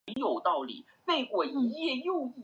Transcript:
美丽沙穗为唇形科沙穗属下的一个种。